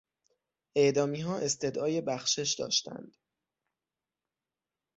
اعدامیها استدعای بخشش داشتند.